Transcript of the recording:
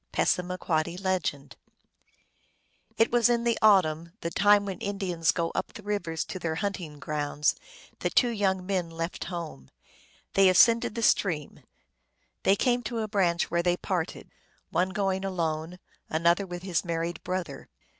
(Passamaquoddy.) It was in the autumn, the time when Indians go up the rivers to their hunting grounds, that two youn^ men left home. They ascended the stream ; they came to a branch, where they parted : one going alone, an other with his married brother.